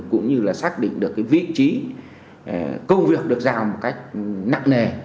cũng như là xác định được vị trí công việc được ra một cách nặng nề